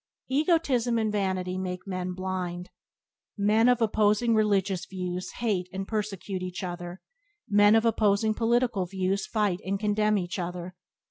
Egotism and vanity make men blind. Men of opposing religious views hate and persecute each other; men of opposing political views fight and condemn each other.